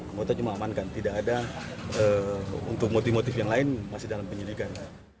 anggota cuma amankan tidak ada untuk motif motif yang lain masih dalam penyelidikan